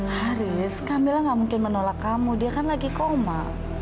haris kami lah gak mungkin menolak kamu dia kan lagi koma